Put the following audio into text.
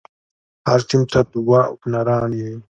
هر ټيم ته دوه اوپنران يي.